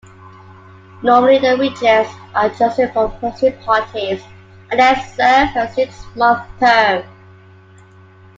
Normally the Regents are chosen from opposing parties and they serve a six-month term.